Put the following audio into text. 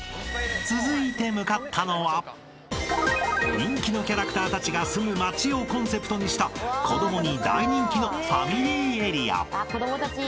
［人気のキャラクターたちが住む街をコンセプトにした子供に大人気のファミリーエリア］